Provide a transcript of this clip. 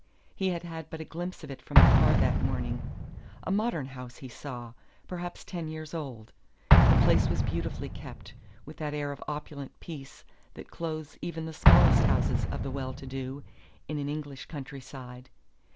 He had had but a glimpse of it from the car that morning. A modern house, he saw; perhaps ten years old. The place was beautifully kept, with that air of opulent peace that clothes even the smallest houses of the well to do in an English country side.